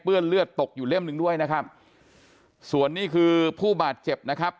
เลือดเลือดตกอยู่เล่มหนึ่งด้วยนะครับส่วนนี้คือผู้บาดเจ็บนะครับ